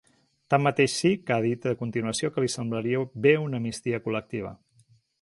Tanmateix sí que ha dit a continuació que li semblaria bé una amnistia col·lectiva.